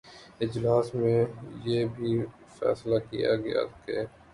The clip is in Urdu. اجلاس میں یہ بھی فیصلہ کیا گیا کہ